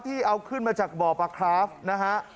ที่เอาขึ้นมาจากบ่อปลาคราฟนะฮะ